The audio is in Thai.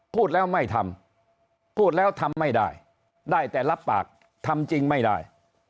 พูดแล้วไม่ทำพูดแล้วทำไม่ได้ได้แต่รับปากทำจริงไม่ได้